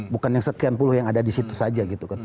bukan yang sekian puluh yang ada di situ saja gitu kan